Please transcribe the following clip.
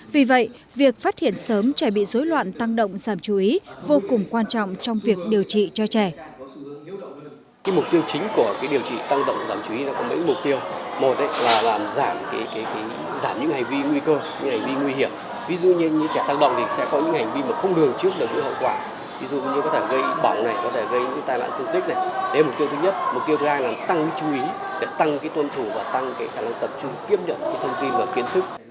vì vậy việc phát hiện sớm trẻ bị dối loạn tăng động giảm chú ý vô cùng quan trọng trong việc điều trị cho trẻ